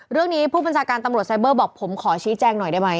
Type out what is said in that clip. เรื่องนี้ผู้บัญชาการตำรวจไซเบอร์บอกผมขอชี้แจงหน่อยได้ไหม